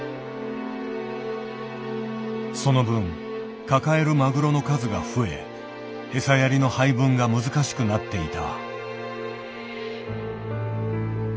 その分抱えるマグロの数が増え餌やりの配分が難しくなっていた。